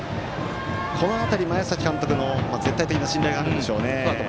この辺り、前崎監督の絶対的信頼があるんでしょう。